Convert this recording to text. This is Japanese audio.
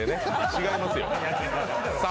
違います！